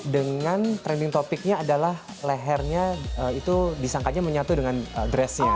dengan trending topicnya adalah lehernya itu disangkanya menyatu dengan dressnya